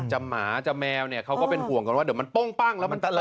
หมาจะแมวเนี่ยเขาก็เป็นห่วงกันว่าเดี๋ยวมันโป้งปั้งแล้วมันตลอด